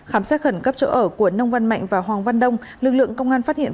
khám xét khẩn cấp chỗ ở của nông văn mạnh và hoàng văn đông lực lượng công an phát hiện